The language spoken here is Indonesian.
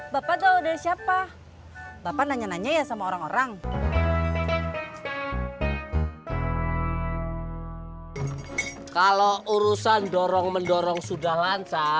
ya aku udahble asap semua